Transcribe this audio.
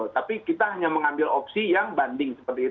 tapi kita hanya mengambil opsi yang banding seperti itu